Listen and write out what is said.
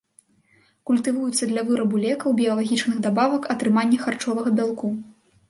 Культывуюцца для вырабу лекаў, біялагічных дабавак, атрымання харчовага бялку.